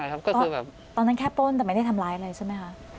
ก็ตอนนั้นแค่ป้นแต่ไม่ได้ทำร้ายอะไรใช่ไหมคะ